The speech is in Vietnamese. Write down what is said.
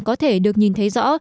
có thể được nhìn thấy rõ